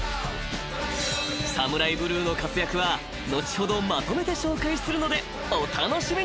［ＳＡＭＵＲＡＩＢＬＵＥの活躍は後ほどまとめて紹介するのでお楽しみに］